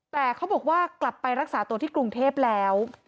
แต่เขาบอกว่ากลับไปรักษาตัวที่กรุงเทพแล้ว